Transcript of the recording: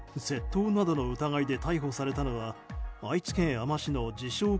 窃盗などの疑いで逮捕されたのは愛知県あま市の自称